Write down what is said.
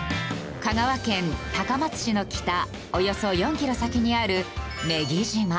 香川県高松市の北およそ４キロ先にある女木島。